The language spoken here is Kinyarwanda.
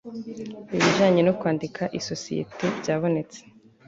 ibijyanye no kwandika isosiyete byabonetse